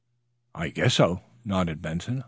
"I guess so," nodded Benson.